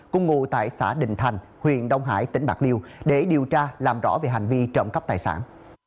cùng ngụ tại xã đình thành huyện đông hải tỉnh bạc liêu để điều tra làm rõ về hành vi trộm cắp tài sản